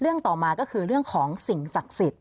ต่อมาก็คือเรื่องของสิ่งศักดิ์สิทธิ์